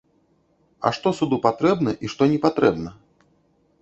А што суду патрэбна і што непатрэбна?